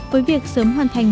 với việc sớm hoàn thành